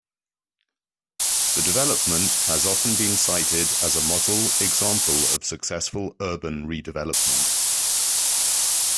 The development has often been cited as a model example of successful urban redevelopment.